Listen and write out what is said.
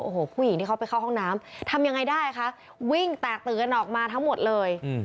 โอ้โหผู้หญิงที่เขาไปเข้าห้องน้ำทำยังไงได้คะวิ่งแตกตื่นออกมาทั้งหมดเลย